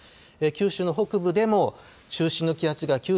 九州の北部でも中心の気圧が９３０